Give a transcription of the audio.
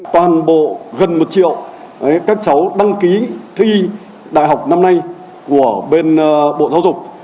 toàn bộ gần một triệu các cháu đăng ký thi đại học năm nay của bên bộ giáo dục